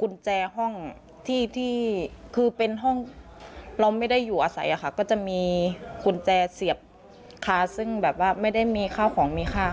กุญแจห้องที่ที่คือเป็นห้องเราไม่ได้อยู่อาศัยอะค่ะก็จะมีกุญแจเสียบคาซึ่งแบบว่าไม่ได้มีข้าวของมีค่าค่ะ